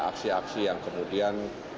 aksi aksi yang kemudian